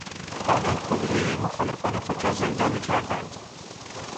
آنان کلیهی مخالفان خود را زندانی کردند.